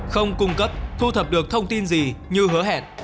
không cung cấp thu thập được thông tin gì như hứa hẹn